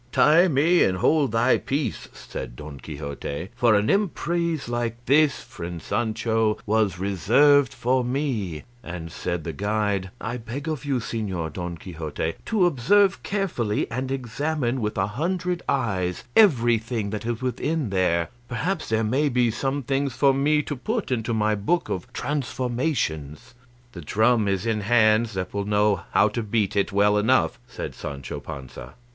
"Tie me and hold thy peace," said Don Quixote, "for an emprise like this, friend Sancho, was reserved for me;" and said the guide, "I beg of you, Señor Don Quixote, to observe carefully and examine with a hundred eyes everything that is within there; perhaps there may be some things for me to put into my book of 'Transformations.'" "The drum is in hands that will know how to beat it well enough," said Sancho Panza.